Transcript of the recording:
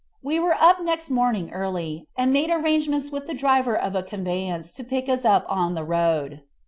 We were up next morning early, and made arrangements with the driver of a conveyance to pick us up on the road.